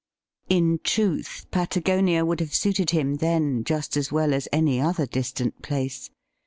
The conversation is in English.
In truth, Patagonia would have suited him then just as well a s any other distant place.